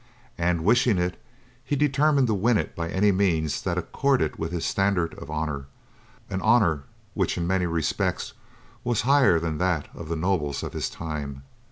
And wishing it, he determined to win it by any means that accorded with his standard of honor; an honor which in many respects was higher than that of the nobles of his time.